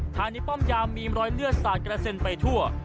ในป้อมยามมีรอยเลือดสาดกระเซ็นไปทั่ว